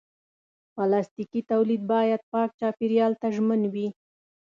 پلاستيکي تولید باید پاک چاپېریال ته ژمن وي.